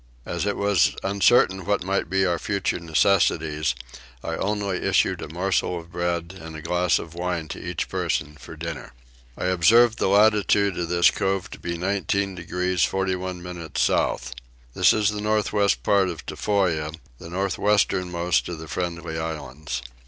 As it was uncertain what might be our future necessities I only issued a morsel of bread and a glass of wine to each person for dinner. I observed the latitude of this cove to be 19 degrees 41 minutes south. This is the north west part of Tofoa, the north westernmost of the Friendly Islands.